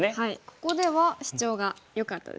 ここではシチョウがよかったですね。